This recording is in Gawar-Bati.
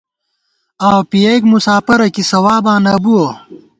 آؤو پِیَئیک مُساپرہ ، کی ثواباں نہ بُوَہ